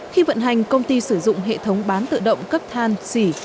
khi vận hành công ty sử dụng hệ thống bán tự động cấp than xỉ